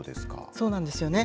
そうなんですよね。